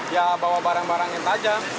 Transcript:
ya bawa barang barang yang tajam